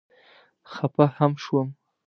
خفه هم شوم.